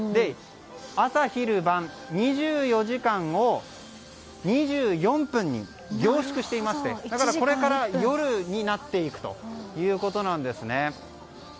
朝昼晩、２４時間を２４分に凝縮していましてだからこれから、夜になっていくということなんですね。